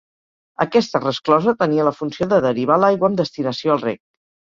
Aquesta resclosa tenia la funció de derivar l'aigua amb destinació al reg.